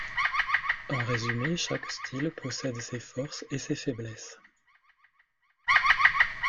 En résumé, chaque style possède ses forces et ses faiblesses.